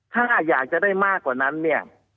ถ้าอยากจะได้มากกว่านั้นเนี่ย